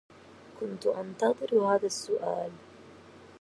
كنت أنتظر هذا السؤال.